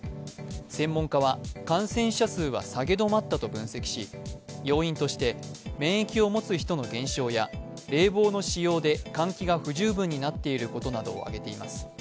専門家は感染者数は下げ止まったと分析し要因として免疫を持つ人の減少や冷房の使用で換気が不十分になっていることなどを挙げています。